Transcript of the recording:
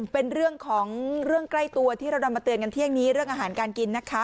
เป็นเรื่องของเรื่องใกล้ตัวที่เรานำมาเตือนกันเที่ยงนี้เรื่องอาหารการกินนะคะ